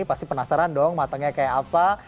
pasti penasaran dong matangnya kayak apa